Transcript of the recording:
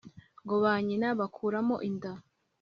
ngo ba nyina bakuramo inda